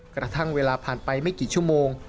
กระทั่งเวลาผ่านไปไม่กี่ชั่วโมง